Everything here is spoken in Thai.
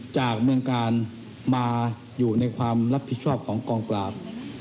จากเมืองกาลมาอยู่ในความรับผิดชอบของกองปราบ